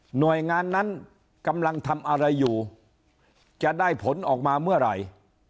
หน่วยงานนั้นกำลังทำอะไรอยู่จะได้ผลออกมาเมื่อไหร่